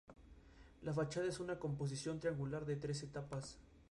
La fachada es una composición triangular de tres etapas.